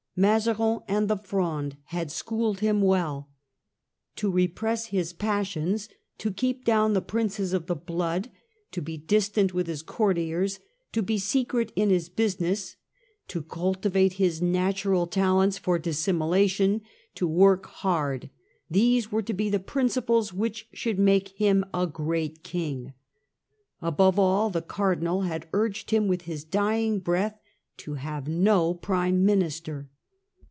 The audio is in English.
Mazarin and the Fronde had schooled him well. To repress his passions, to keep Character of down the princes of the blood, to be distant Louis xiv. w ith his courtiers, to be secret in his busi ness, to cultivate his natural talents for dissimulation, to work hard— these were to be the principles which should make him a great king. Above all, the Cardinal had urged him, with his dying breath, to have no prime minister.